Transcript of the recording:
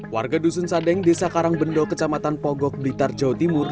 warga dusun sadeng desa karangbendo kecamatan pogok blitar jawa timur